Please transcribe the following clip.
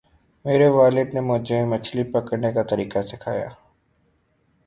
میرے والد نے مجھے مچھلی پکڑنے کا طریقہ سکھایا۔